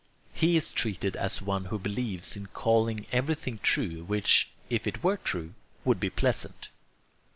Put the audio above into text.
He is treated as one who believes in calling everything true which, if it were true, would be pleasant.